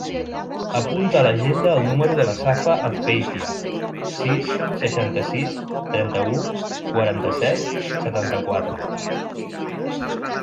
Apunta a l'agenda el número de la Safa Azpeitia: sis, seixanta-sis, trenta-u, quaranta-set, setanta-quatre.